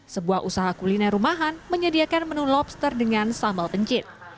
sebuah usaha kuliner rumahan menyediakan menu lobster dengan sambal pencit